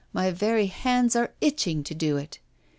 My very hands are itching to do it.